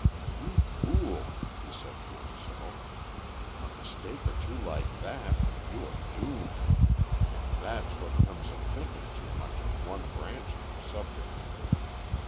"You fool!" he said to himself; "a mistake or two like that and you are doomed. That's what comes of thinking too much on one branch of your subject.